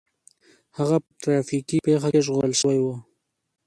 هغه په ټرافيکي پېښه کې ژغورل شوی و